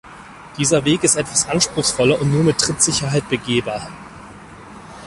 Dieser Weg ist etwas anspruchsvoller und nur mit Trittsicherheit begehbar.